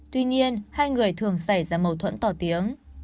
tuy nhiên hai người thường xảy ra mâu thuẫn to tiếng